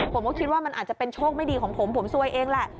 ผมก็คิดว่ามันอาจจะเป็นโชคไม่ดีของผมผมซวยเองแหละ